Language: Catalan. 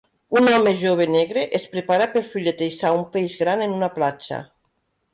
Un home jove negre es prepara per filetejar un peix gran en una platja.